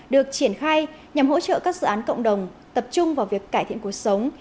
được triển khai nhằm hỗ trợ các dự án cộng đồng tập trung vào việc cải thiện cuộc sống